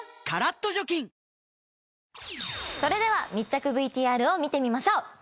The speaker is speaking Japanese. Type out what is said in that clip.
カラッと除菌それでは密着ＶＴＲを見てみましょう。